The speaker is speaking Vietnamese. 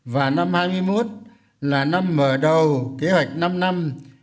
và năm hai mươi một là năm mở đầu kế hoạch năm năm hai nghìn hai mươi một